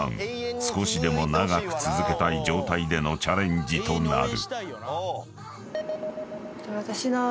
［少しでも長く続けたい状態でのチャレンジとなる］